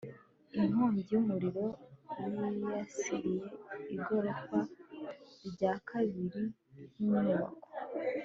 inkongi y'umuriro yibasiye igorofa rya kabiri ry'inyubako